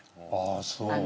ああそう。